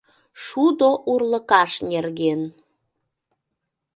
ШУДО УРЛЫКАШ НЕРГЕН